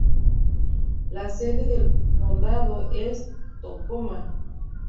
La sede del condado es Tacoma.